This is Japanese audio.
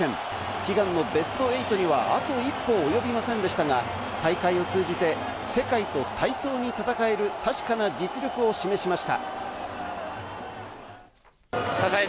悲願のベスト８にはあと一歩及びませんでしたが大会を通じて、世界と対等に戦える確かな実力を示しました。